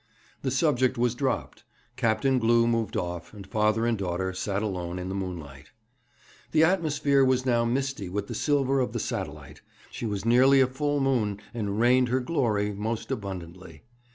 The subject was dropped. Captain Glew moved off, and father and daughter sat alone in the moonlight. The atmosphere was now misty with the silver of the satellite; she was nearly a full moon, and rained her glory most abundantly.